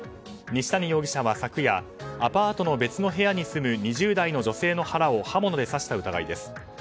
西谷容疑者は昨夜アパートの別の部屋に住む２０代の女性の腹を刃物で刺した疑いです。